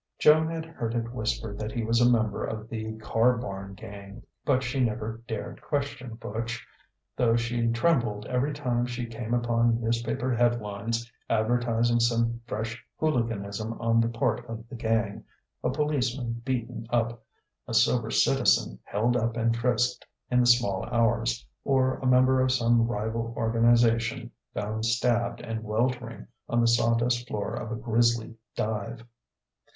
Joan had heard it whispered that he was a member of the "Car barn Gang." But she never dared question Butch, though she trembled every time she came upon newspaper headlines advertising some fresh hooliganism on the part of the gang a policeman "beaten up," a sober citizen "held up and frisked" in the small hours, or a member of some rival organization found stabbed and weltering on the sawdust floor of a grisly dive.